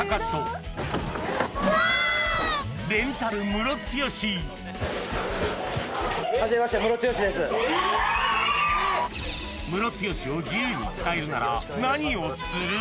ムロツヨシを自由に使えるなら何をする？